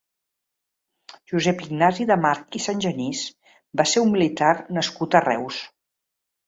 Josep Ignasi de March i Santgenís va ser un militar nascut a Reus.